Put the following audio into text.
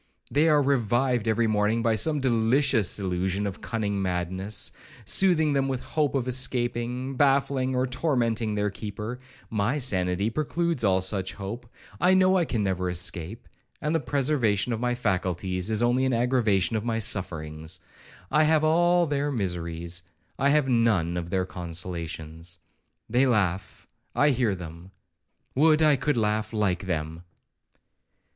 They are revived every morning by some delicious illusion of cunning madness, soothing them with the hope of escaping, baffling or tormenting their keeper; my sanity precludes all such hope. I know I never can escape, and the preservation of my faculties is only an aggravation of my sufferings. I have all their miseries,—I have none of their consolations. They laugh,—I hear them; would I could laugh like them.'